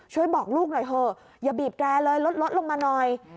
บอกลูกหน่อยเถอะอย่าบีบแกร่เลยลดลงมาหน่อย